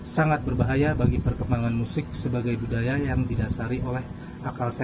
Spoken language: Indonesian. sangat berbahaya bagi perkembangan musik sebagai budaya yang didasari oleh akal sehat